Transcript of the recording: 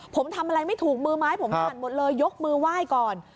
ผมทำอะไรไม่ถูกมือไม้ผมสั่นหมดเลยยกมือไหว้ก่อน